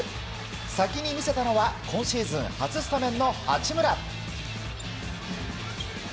先に見せたのは今シーズン初スタメンの八村。